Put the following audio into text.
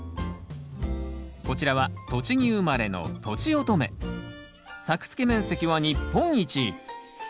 こちらは栃木生まれの作付面積は日本一。